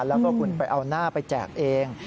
แล้วก็คุณไปเอาหน้าไปแจกเอง